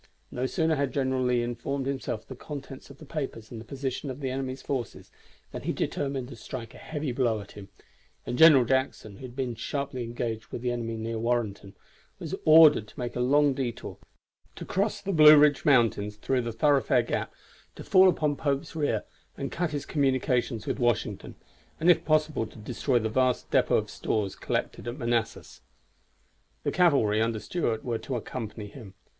No sooner had General Lee informed himself of the contents of the papers and the position of the enemy's forces than he determined to strike a heavy blow at him; and General Jackson, who had been sharply engaged with the enemy near Warrenton, was ordered to make a long detour, to cross the Blue Ridge mountains through Thoroughfare Gap, to fall upon Pope's rear and cut his communications with Washington, and if possible to destroy the vast depot of stores collected at Manassas. The cavalry, under Stuart, were to accompany him.